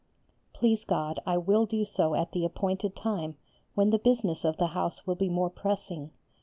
Please God, I will do so at the appointed time, when the business of the house will be more pressing.